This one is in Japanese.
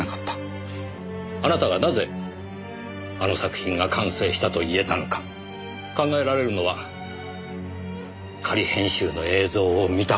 あなたがなぜあの作品が完成したと言えたのか考えられるのは仮編集の映像を見た事があるからです。